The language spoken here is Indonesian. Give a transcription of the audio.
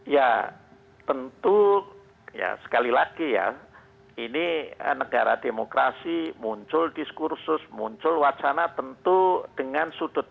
ya tentu ya sekali lagi ya ini negara demokrasi muncul diskursus muncul wacana tentu dengan sudut